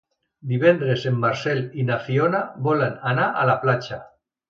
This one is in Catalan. Divendres en Marcel i na Fiona volen anar a la platja.